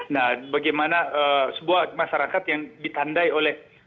nah bagaimana sebuah masyarakat yang ditandai oleh